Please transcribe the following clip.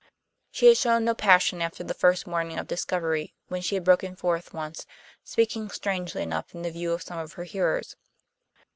She had shown no passion after the first morning of discovery, when she had broken forth once, speaking strangely enough in the view of some of her hearers.